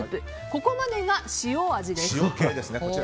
ここまでが塩味です。